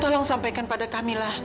tolong sampai pada kamila